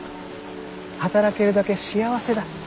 働けるだけ幸せだ。